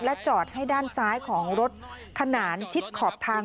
จอดให้ด้านซ้ายของรถขนานชิดขอบทาง